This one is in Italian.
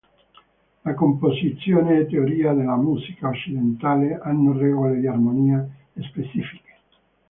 La composizione e teoria della musica occidentale hanno regole di armonia specifiche.